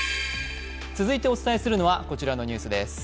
続いてお伝えするのはこちらのニュースです。